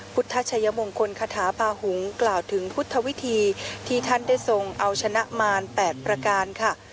พุทธชัยมงคลคาถาปาหุงกล่าวถึงพุทธวิธีที่ท่านได้ทรงเอาชนะมาร๘ประการค่ะ